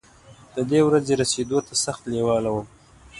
ددې ورځې رسېدو ته سخت لېوال وم.